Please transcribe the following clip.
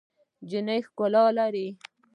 نجلۍ ښکلا لري.